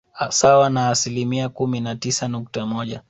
sawa na asilimia kumi na tisa nukta moja